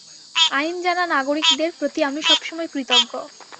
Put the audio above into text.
আইন জানা নাগরিকদের প্রতি আমি সবসময় কৃতজ্ঞ।